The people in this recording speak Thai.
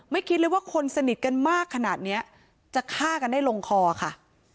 คิดเลยว่าคนสนิทกันมากขนาดนี้จะฆ่ากันได้ลงคอค่ะ